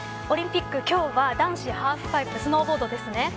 オリンピック今日は男子ハーフパイプスノーボードですね。